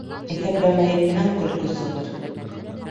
Иҫәпләмәй әйтһәң, көлкө сығыр.